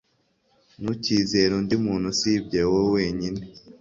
Ntukizere undi muntu usibye wowe wenyine